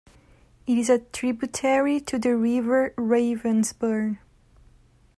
It is a tributary to the River Ravensbourne.